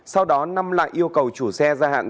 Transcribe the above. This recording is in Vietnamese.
sau đó năm lại yêu cầu chủ xe ra hạn